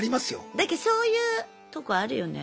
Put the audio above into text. なんかそういうとこあるよね。